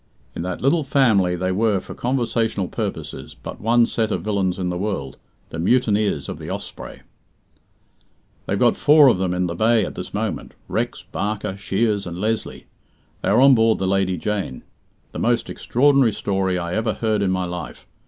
In that little family there were, for conversational purposes, but one set of villains in the world the mutineers of the Osprey. "They've got four of them in the bay at this moment Rex, Barker, Shiers, and Lesly. They are on board the Lady Jane. The most extraordinary story I ever heard in my life.